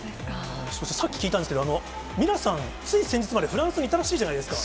そしてさっき聞いたんですけど、ミラさん、つい先日までフランスにいたらしいじゃないですか。